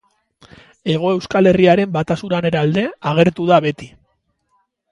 Hego Euskal Herriaren batasunaren alde agertu da beti.